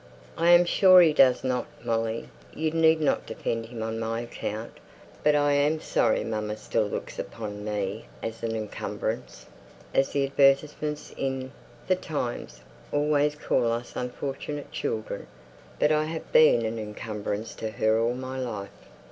"I'm sure he doesn't, Molly. You need not defend him on my account. But I'm sorry mamma still looks upon me as 'an encumbrance,' as the advertisements in The Times always call us unfortunate children. But I've been an encumbrance to her all my life.